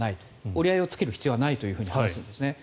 折り合いをつける必要はないと話すんですね。